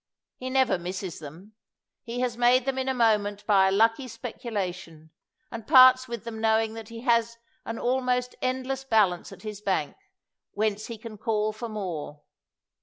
He never misses them. He has made them in a moment by a lucky specula tion, and parts with them knowing that he has an almost endless balance at his bank, whence he can call for more.